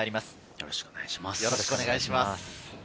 よろしくお願いします。